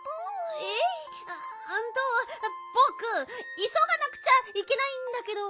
うんとぼくいそがなくちゃいけないんだけど。